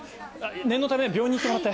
念のため病院に行ってもらって。